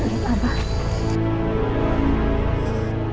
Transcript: umi lihat abah